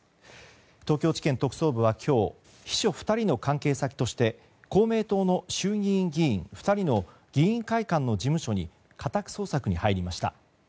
東京地検特捜部は今日秘書２人の関係先として公明党の衆議院議員２人の議員会館の事務所に家宅捜索に入りました。